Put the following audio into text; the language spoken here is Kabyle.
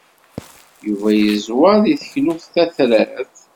Yuba yeẓwer deg teklut tatrart.